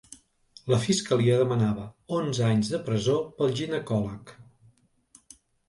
La fiscalia demanava onze anys de presó pel ginecòleg.